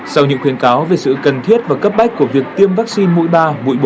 sau những khuyến cáo về sự cần thiết và cấp bách của việc tiêm vaccine mũi ba mũi bộ